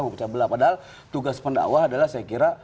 padahal tugas pendakwah adalah saya kira